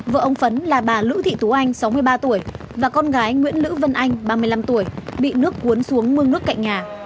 vợ ông phấn là bà lữ thị tú anh sáu mươi ba tuổi và con gái nguyễn lữ vân anh ba mươi năm tuổi bị nước cuốn xuống mương nước cạnh nhà